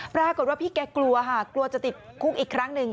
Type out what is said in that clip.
ปรากฏว่าพี่แกกลัวค่ะกลัวจะติดคุกอีกครั้งหนึ่ง